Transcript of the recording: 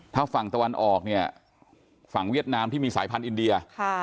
ถ้าฝั่งตะวันออกเนี่ยฝั่งเวียดนามที่มีสายพันธุ์อินเดีย